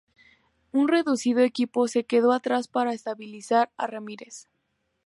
Un reducido equipo se quedó atrás para estabilizar a Ramirez.